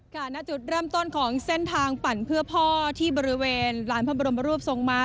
ณจุดเริ่มต้นของเส้นทางปั่นเพื่อพ่อที่บริเวณลานพระบรมรูปทรงม้า